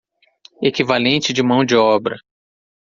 Equivalente de mão de obra